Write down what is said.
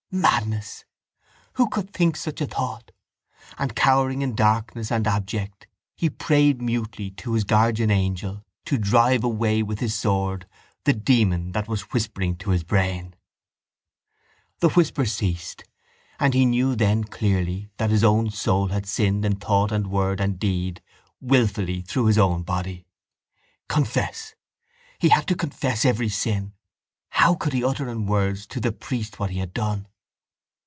Madness. Who could think such a thought? And, cowering in darkness and abject, he prayed mutely to his guardian angel to drive away with his sword the demon that was whispering to his brain. The whisper ceased and he knew then clearly that his own soul had sinned in thought and word and deed wilfully through his own body. Confess! He had to confess every sin. How could he utter in words to the priest what he had done?